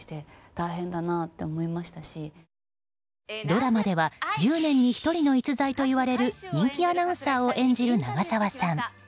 ドラマでは１０年に１人の逸材といわれる人気アナウンサーを演じる長澤さん。